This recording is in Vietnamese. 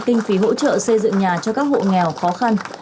kinh phí hỗ trợ xây dựng nhà cho các hộ nghèo khó khăn